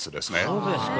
そうですか。